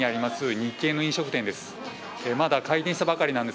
日系の飲食店です。